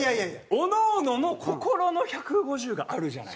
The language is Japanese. おのおのの心の１５０があるじゃない。